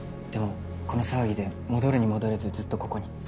でもこの騒ぎで戻るに戻れずずっとここに。